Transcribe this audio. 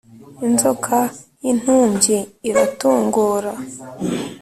Inzoka y'intumbyi iratongora